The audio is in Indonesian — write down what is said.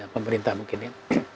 pemerintah mungkin ya